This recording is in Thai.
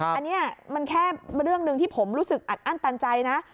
อันนี้มันแค่เรื่องหนึ่งที่ผมรู้สึกอัดอั้นตันใจนะ